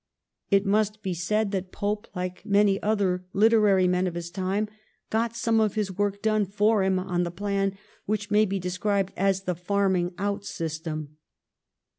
, It must be said that Pope, like many other literary men of his time, got some of his work done for him on the plan which may be described as the farming out system.